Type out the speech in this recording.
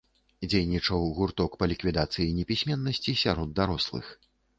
Дзейнічаў гурток па ліквідацыі непісьменнасці сярод дарослых.